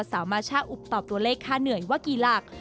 มาช่าอุบตอบตัวเลขค่าเหนื่อยว่ากี่หลัก